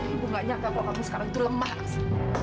ibu nggak nyatakan kalau kamu sekarang itu lemah aksy